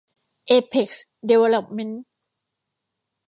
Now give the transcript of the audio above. เอเพ็กซ์ ดีเวลลอปเม้นท์